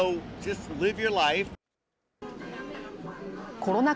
コロナ禍